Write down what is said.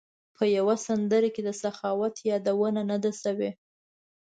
په یوه سندره کې د سخاوت یادونه نه ده شوې.